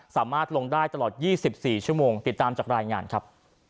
สามารถลงได้ตลอด๒๔ชั่วโมงติดตามจากรายงานครับ